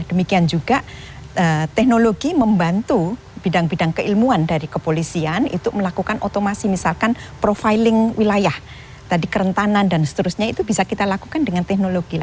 demikian juga teknologi membantu bidang bidang keilmuan dari kepolisian itu melakukan otomasi misalkan profiling wilayah tadi kerentanan dan seterusnya itu bisa kita lakukan dengan teknologi